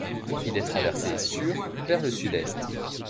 Il est traversé sur vers le Sud-Est.